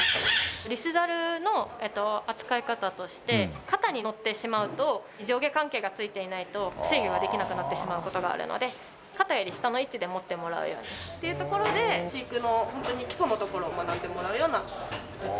リスザルの扱い方として肩に乗ってしまうと上下関係がついていないと制御ができなくなってしまう事があるので肩より下の位置で持ってもらうようにっていうところで飼育のホントに基礎のところを学んでもらうような形になります。